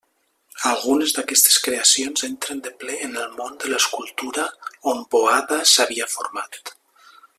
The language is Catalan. Algunes d'aquestes creacions entren de ple en el món de l'escultura on Boada s'havia format.